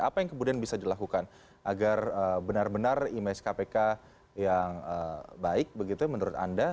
apa yang kemudian bisa dilakukan agar benar benar image kpk yang baik begitu menurut anda